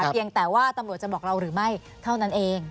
เพียงแต่ว่าตำรวจจะบอกเราหรือไม่เท่านั้นเอง